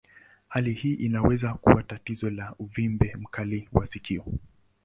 Hali hii inaweza kuwa tatizo la uvimbe mkali wa sikio.